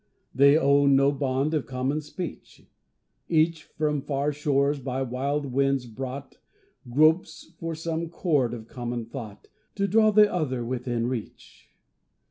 They own no bond of common speech; Each, from far shores by wild winds brought, Gropes for some cord of common thought To draw the other within reach.